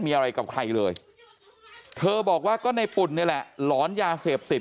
มีอะไรกับใครเลยเธอบอกว่าก็ในปุ่นนี่แหละหลอนยาเสพติด